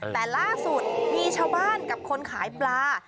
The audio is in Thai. แต่ล่าสุดมีชาวบ้านกับคนขายปลา